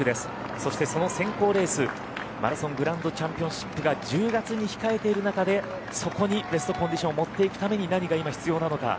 そしてその選考レースマラソングランドチャンピオンシップが１０月に控えている中でそこにベストコンディションを持っていくために何が今、必要なのか。